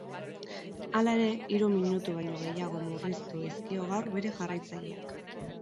Hala ere, hiru minutu baino gehiago murriztu dizkio gaur bere jarraitzaileak.